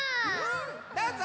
どうぞ！